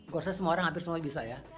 kursa semua orang hampir semua bisa ya